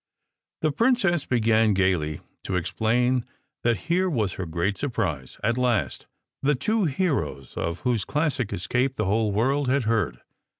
The princess began gayly to explain that here was her great "surprise" at last: the two heroes of whose classic escape the whole world had heard.